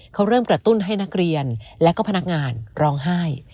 เขาเริ่มกระตุ้นให้นักเรียนและก็พนักงานร้องไห้